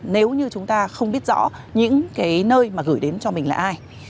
nếu như chúng ta không biết rõ những cái nơi mà gửi đến cho mình là ai